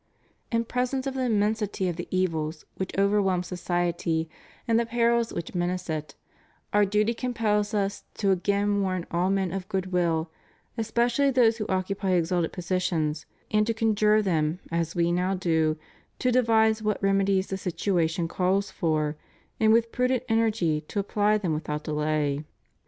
In presence of the immensity of the evils which over whelm society and the perils which menace it, Our duty compels Us to again warn all men of good will, especially those who occupy exalted positions, and to conjure them as We now do, to devise what remedies the situation calls for and with prudent energy to apply them without delay.